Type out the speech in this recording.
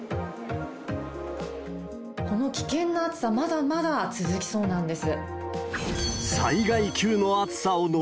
この危険な暑さ、まだまだ続きそうなんです。